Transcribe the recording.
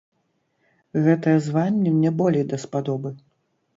Гэтае званне мне болей даспадобы.